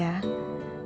pak makasih ya